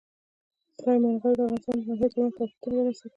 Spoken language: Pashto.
سلیمان غر د افغانستان د ناحیو ترمنځ تفاوتونه رامنځ ته کوي.